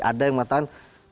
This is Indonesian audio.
ada yang mengatakan